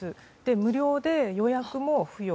無料で予約も不要。